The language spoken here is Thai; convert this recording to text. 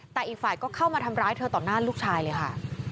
แต่อีกฝ่ายก็เข้ามาทำร้ายเธอต่อหน้าลูกชายเลยค่ะ